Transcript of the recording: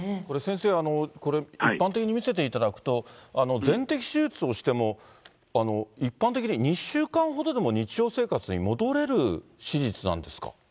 これ、先生、一般的に見せていただくと、全摘手術をしても、一般的に２週間ほどで、もう日常生活に戻れる手術なんですか。